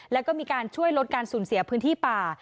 แล้วก็มีการช่วยลดการสูญเสียพื้นที่ป่า